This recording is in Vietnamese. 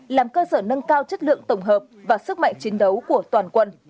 làm cơ sở nâng cao chất lượng tổng hợp và sức mạnh chiến đấu của toàn quân